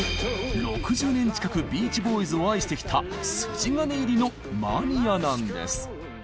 ６０年近くビーチ・ボーイズを愛してきた筋金入りのマニアなんです。